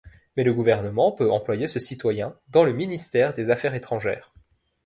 Mais le gouvernement peut employer ce citoyen dans le Ministère des Affaires Étrangères.